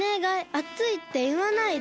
あついっていわないで。